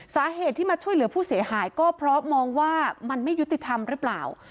สาเหตุที่มาช่วยเหลือผู้เสียหายก็เพราะมองว่ามันไม่ยุติธรรมหรือเปล่า